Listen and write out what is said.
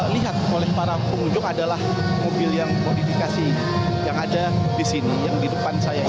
lihat oleh para pengunjung adalah mobil yang modifikasi yang ada di sini yang di depan saya ini